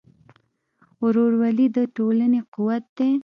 ورورولي د ټولنې قوت دی.